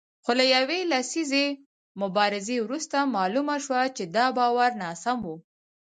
خو له یوې لسیزې مبارزې وروسته معلومه شوه چې دا باور ناسم و